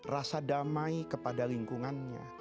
rasa damai kepada lingkungannya